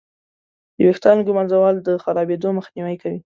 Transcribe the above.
د ویښتانو ږمنځول د خرابېدو مخنیوی کوي.